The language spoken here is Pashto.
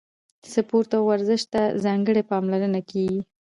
سپورت او ورزش ته ځانګړې پاملرنه کیږي.